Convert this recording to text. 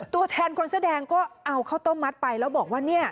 ตัวแทนคนเสื้อแดงก็เอาข้าวต้มมัดไปแล้วบอกว่าเนี่ย